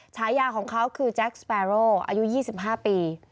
ฉายาของเขาคือแจ็คสเปโร่อายุ๒๕ปี